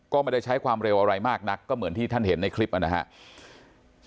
ก็ไม่ได้ใช้ความเร็วอะไรมากนักก็เหมือนที่ท่านเห็นในคลิปนะครับ